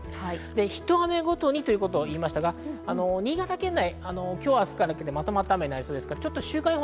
ひと雨ごとにと言いましたが、新潟県内、今日明日にかけて、まとまった雨になりそうです。